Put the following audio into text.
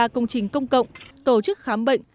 năm mươi ba công trình công cộng tổ chức khám bệnh